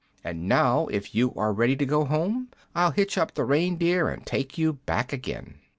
And now, if you are ready to go home, I'll hitch up the reindeer and take you back again.'